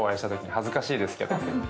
恥ずかしいですけど。